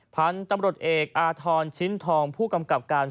พันธ์ตำรดเอกอาทรอนชิ้นทองปกก